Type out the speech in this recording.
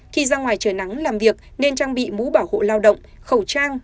khi ra ngoài trời nắng làm việc nên trang bị mũ bảo hộ lao động khẩu trang